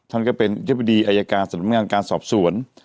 ท่านก็เป็นอธิบดีอายการสำนักงานการสอบสวน